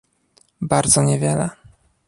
Bardzo niewiele